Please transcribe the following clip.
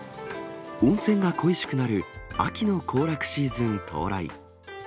温泉が恋しくなる秋の行楽シーズン到来。